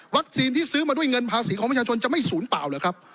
ที่ซื้อมาด้วยเงินภาษีของประชาชนจะไม่ศูนย์เปล่าหรือครับ